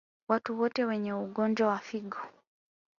Watu wote wenye ugonjwa wa figo